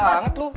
cepet banget lu